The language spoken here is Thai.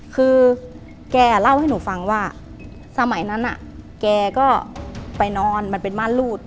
คือแกเล่าให้หนูฟังว่าสมัยนั้นแกก็ไปนอนมันเป็นม่านรูด